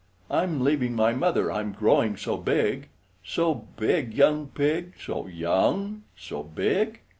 "I'm leaving my Mother, I'm growing so big!" So big, young pig, So young, so big!